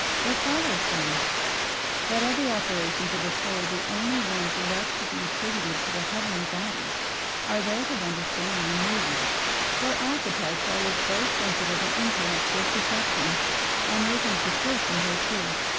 It follows, then, that of the operations of the soul the only ones left to be attributed to the heavenly bodies are those of understanding and moving; for appetite follows both sensitive and intellectual perception, and is in proportion thereto.